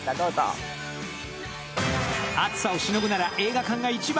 暑さをしのぐなら映画館が一番。